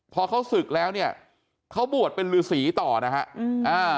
พอเขาศึกแล้วเนี่ยเขาบวชเป็นฤษีต่อนะฮะอืมอ่า